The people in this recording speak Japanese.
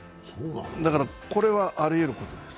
だからこれはありえることです。